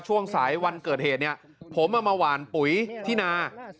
ช่วงสายวันเกิดเหตุเนี่ยผมเอามาหวานปุ๋ยที่นา